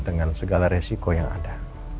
dengan segala resiko yang ada